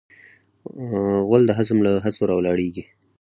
غول د هضم له هڅو راولاړیږي.